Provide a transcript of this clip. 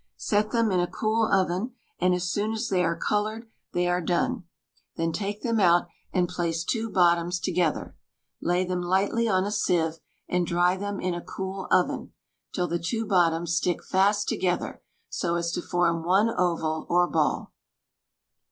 Set them in a cool oven, and as soon as they are colored, they are done. Then take them out, and place two bottoms together. Lay them lightly on a sieve, and dry them in a cool oven, till the two bottoms stick fast together, so as to form one oval or ball.